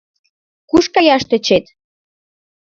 Куш каяш тӧчет?